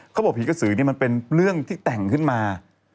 ผีกระสือนี่มันเป็นเรื่องที่แต่งขึ้นมา